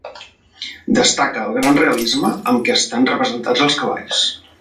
Destaca el gran realisme amb què estan representats els cavalls.